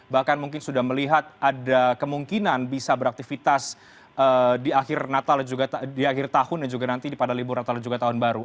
bahkan mungkin sudah melihat ada kemungkinan bisa beraktivitas di akhir tahun dan juga nanti pada libur natal dan juga tahun baru